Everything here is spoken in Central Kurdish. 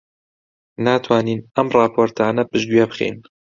ناتوانین ئەم ڕاپۆرتانە پشتگوێ بخەین.